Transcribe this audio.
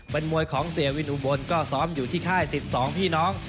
เป็นมวยของเสียวินอุบลก็ซ้อมอยู่ที่ค่าย๑๒พี่น้อง